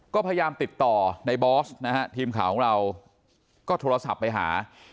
ก็พยายามติดต่อในบอสนะฮะทีมข่าวของเราก็โทรศัพท์ไปหา